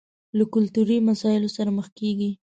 له کلتوري مسايلو سره مخ کېږي.